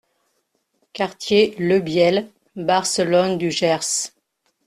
Quartier Le Bielle, Barcelonne-du-Gers